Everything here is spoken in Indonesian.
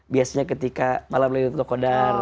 biasanya ketika malam lalu itu kodar